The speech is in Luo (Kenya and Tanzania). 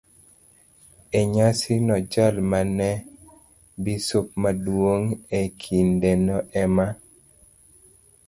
E nyasino, jal ma ne en bisop maduong' e kindeno ema